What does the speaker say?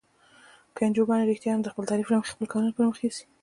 که انجوګانې رښتیا هم د خپل تعریف له مخې خپل کارونه پرمخ یوسي.